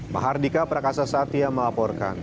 mahardika prakasa satya melaporkan